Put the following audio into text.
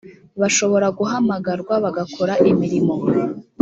bashobora guhamagarwa bagakora imirimo